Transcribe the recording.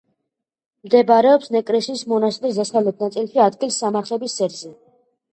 მდებარეობს ნეკრესის მონასტრის დასავლეთ ნაწილში, ადგილ სამარხების სერზე.